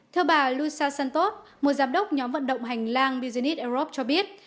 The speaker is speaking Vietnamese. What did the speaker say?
theo bà luisa santos một giám đốc nhóm vận động hành lang business europe cho biết